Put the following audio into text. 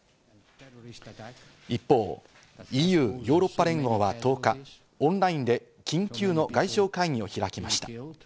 一方、ＥＵ＝ヨーロッパ連合は１０日、オンラインで緊急の外相会議を開きました。